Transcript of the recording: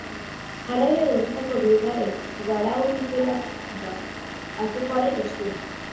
Jarraian lortutako bigarren garauipena da, atzokoaren ostean.